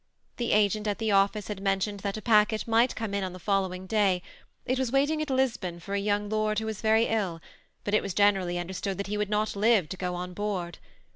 Ilie agent at the office had mentioned that a packet might come in on the tbllovi'ing day: it was waiting at Lisbon for a young lord who was very ill ; bnt it was generally understood that he woald not live to go on board.